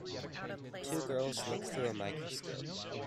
Two girls look through a microscope.